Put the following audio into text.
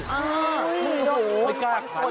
ไม่กล้าขัน